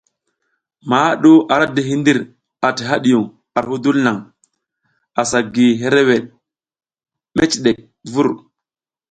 Maha ɗu ara di hindir ati hadiyun ar hudul naŋ, asa gi hereweɗ meciɗek vur.